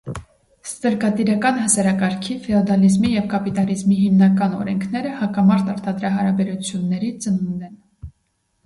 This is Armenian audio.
Ստրկատիրական հասարակարգի, ֆեոդափզմի և կապիտարիզմի հիմնական օրենքները հակամարտ արտադրահարաբերությունների ծնունդ են։